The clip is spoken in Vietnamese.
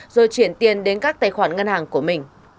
rồi chuyển tiền đến các tài khoản ngân hàng của mình